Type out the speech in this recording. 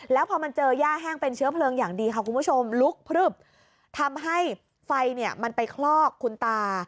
แล้วพอมันเจอย่าแห้งเป็นเชื้อเพลิงอย่างดีค่ะคุณผู้ชมลุกพลึบทำให้ไฟเนี่ยมันไปคลอกคุณตา